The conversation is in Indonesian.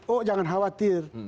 oh jangan khawatir